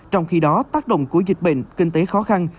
trong khi đó tác động của dịch bệnh kinh tế khó khăn